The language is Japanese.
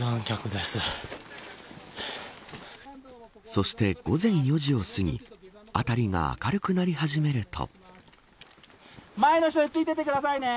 そして、午前４時を過ぎ辺りが明るくなり始めると。